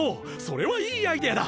それはいいアイデアだ。